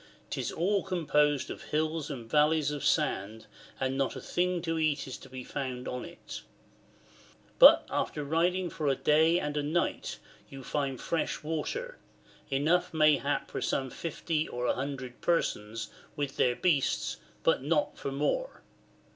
'Tis all composed of hills and valleys of sand, and not a thing to eat is to be found on it. But after riding for a day and a night you find fresh water, enough mayhap for some 50 or 100 persons wtch their beasts, but not for more.